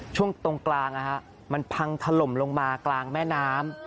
ช่วงตรงกลางมันพังถล่มลงมากลางแม่น้ำ